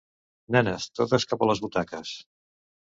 Nenes, totes cap a les butaques!